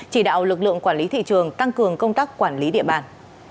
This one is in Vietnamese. chỉ đạo lực lượng quản lý thị trường tăng cường công tác quản lý địa bàn